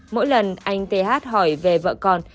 mỗi lần anh th hỏi về vợ con